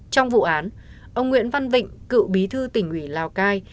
trong vụ án ông nguyễn văn vịnh cựu bí thư tỉnh ủy lào cai